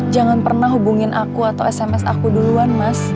jangan pernah hubungin aku atau sms aku duluan mas